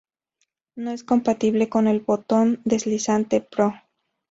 No es compatible con el Botón Deslizante Pro.